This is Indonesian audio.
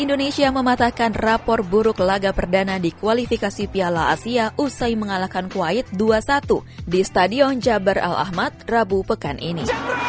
indonesia mematahkan rapor buruk laga perdana di kualifikasi piala asia usai mengalahkan kuwait dua satu di stadion jabar al ahmad rabu pekan ini